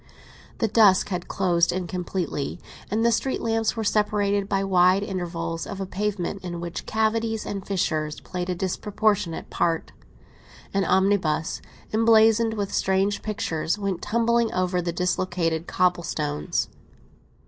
The dusk had closed in completely and the street lamps were separated by wide intervals of a pavement in which cavities and fissures played a disproportionate part. An omnibus, emblazoned with strange pictures, went tumbling over the dislocated cobble stones.